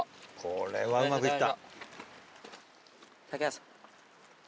これはうまくいった。